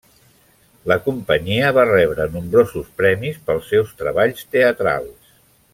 La companyia va rebre nombrosos premis pels seus treballs teatrals.